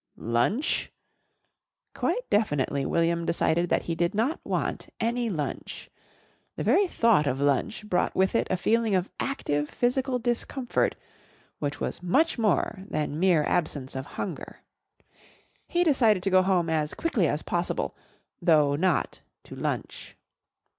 Lunch? Quite definitely William decided that he did not want any lunch. The very thought of lunch brought with it a feeling of active physical discomfort which was much more than mere absence of hunger. He decided to go home as quickly as possible, though not to lunch.